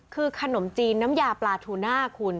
คือขนมจีนน้ำยาปลาทูน่าคุณ